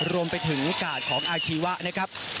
รวมไปถึงกาดของอาชีวะนะครับ